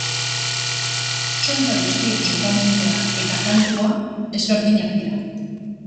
Txonta guztien jokamoldea eta kantua ezberdinak dira.